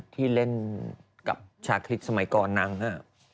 ที่เล่นกับชาคริสสมัยก่อนนางฮะ